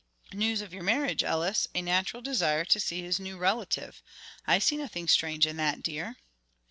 "News of your marriage, Ellis; a natural desire to see his new relative. I see nothing strange in that, dear."